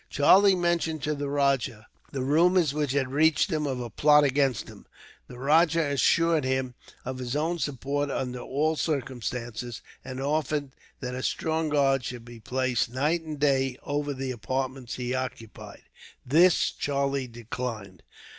Charlie mentioned, to the rajah, the rumours which had reached him of a plot against him. The rajah assured him of his own support, under all circumstances, and offered that a strong guard should be placed, night and day, over the apartments he occupied. This Charlie declined.